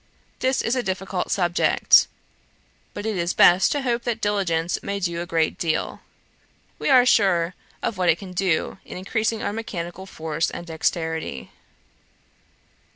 This is a difficult subject; but it is best to hope that diligence may do a great deal. We are sure of what it can do, in increasing our mechanical force and dexterity.